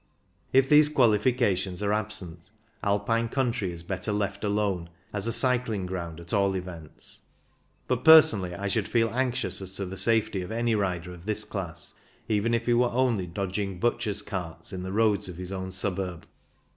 If these qualifications are absent, Alpine country is better left alone, as a cycling ground, at all events; but personally I should feel anxious as to the safety of any rider of this class, even if he were only dodging butchers' carts in the roads of his own suburb.